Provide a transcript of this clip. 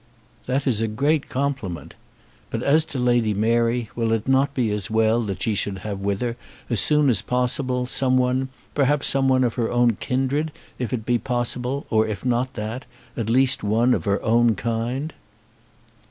"That is a great compliment. But as to Lady Mary, will it not be as well that she should have with her, as soon as possible, someone, perhaps someone of her own kindred if it be possible, or, if not that, at least one of her own kind?"